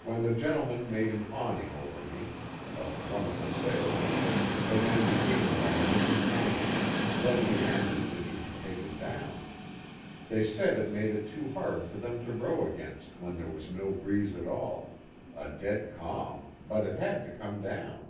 When the gentle men made an awning over me of one of the sails, the men began by looking angry, then demanded it should be taken down. They said it made it too hard for them to row against when there was no breeze at all a dead calm ; but it had to come down.